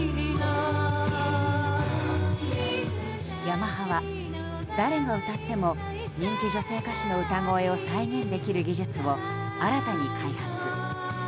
ヤマハは誰が歌っても人気女性歌手の歌声を再現できる技術を新たに開発。